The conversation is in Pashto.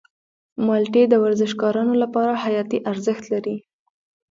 مالټې د ورزشکارانو لپاره حیاتي ارزښت لري.